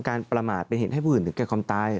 ประมาทเป็นเหตุให้ผู้อื่นถึงแก่ความตาย